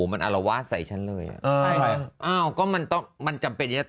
มันอารวาสใส่ฉันเลยอ่ะอ้าวก็มันต้องมันจำเป็นเนี้ย